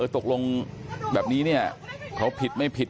ตกลงแบบนี้เขาผิดไม่ผิด